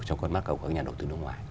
trong con mắt của các nhà đầu tư nước ngoài